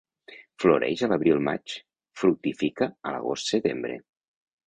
Floreix a l'abril-maig, fructifica a l'agost-setembre.